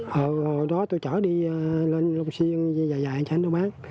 hồi đó tôi chở đi lên long xuyên dài dài cho anh đó bán